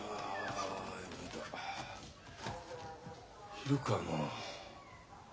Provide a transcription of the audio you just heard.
昼かもう。